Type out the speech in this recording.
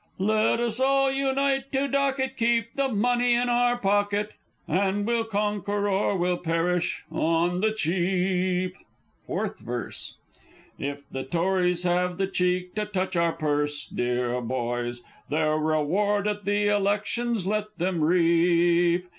Let us all unite to dock it, keep the money in our pocket, And we'll conquer or we'll perish On the Cheap! Fourth Verse. If the Tories have the cheek to touch our purse, deah boys! Their reward at the elections let 'em reap!